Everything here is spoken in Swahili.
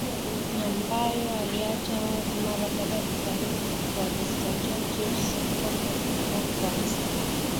ambayo iliachwa wazi mara baada ya kufariki kwa daktari John Joseph Pombe Magufuli Rais